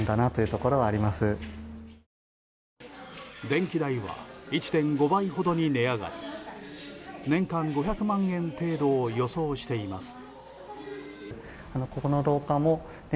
電気代は１．５倍ほどに値上がり年間５００万円程度を予想しています。